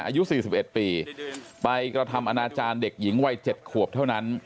อายุ๔๑ปีไปกระทำอนาจารย์เด็กหญิงวัย๗ขวบเท่านั้น